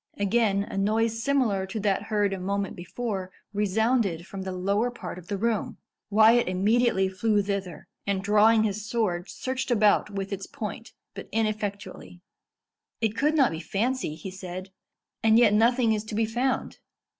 Again a noise similar to that heard a moment before resounded from the lower part of the room. Wyat immediately flew thither, and drawing his sword, searched about with its point, but ineffectually. "It could not be fancy," he said; "and yet nothing is to be found."